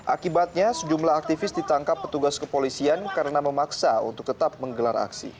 akibatnya sejumlah aktivis ditangkap petugas kepolisian karena memaksa untuk tetap menggelar aksi